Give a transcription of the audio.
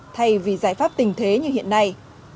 thay vì giải pháp tình thế như hiện nay